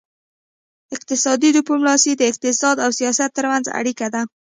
اقتصادي ډیپلوماسي د اقتصاد او سیاست ترمنځ اړیکه ده